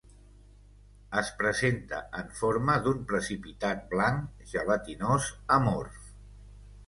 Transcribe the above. Es presenta en forma d'un precipitat blanc gelatinós amorf.